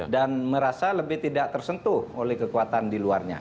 dan merasa lebih tidak tersentuh oleh kekuatan di luarnya